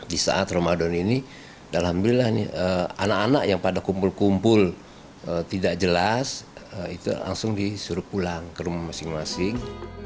di saat ramadan ini alhamdulillah anak anak yang pada kumpul kumpul tidak jelas itu langsung disuruh pulang ke rumah masing masing